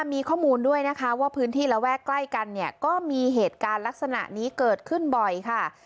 มีข้อมูลด้วยนะคะว่าพื้นที่ระแวกใกล้กันเนี่ยก็มีเหตุการณ์ลักษณะนี้เกิดขึ้นบ่อยค่ะ